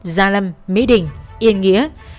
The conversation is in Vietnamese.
gia lâm mỹ đình yên nghĩa